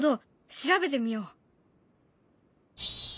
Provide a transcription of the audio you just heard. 調べてみよう。